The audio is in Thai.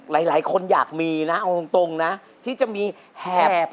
หลายคนอยากมีนะเอาตรงนะที่จะมีแหบ